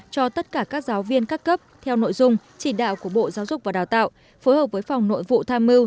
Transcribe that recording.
cho tất cả các giáo viên các cấp theo nội dung chỉ đạo của bộ giáo dục và đào tạo phối hợp với phòng nội vụ tham mưu